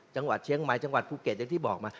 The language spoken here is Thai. จังหวัดเชียงใหม่จังหวัดภูเก็ตอย่างที่บอกมา